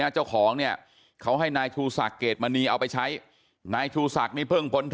เจ้าของนี้เขาให้นายคู้ศักดิ์เกตมณีเอาไปใช้